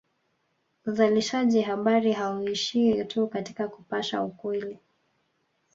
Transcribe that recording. Uzalishaji habari hauishii tu katika kupasha ukweli